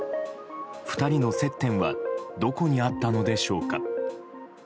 ２人の接点はどこにあったのでしょうか。